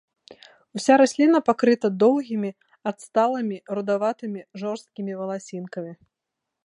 Уся расліна пакрыта доўгімі адсталымі рудаватымі жорсткімі валасінкамі.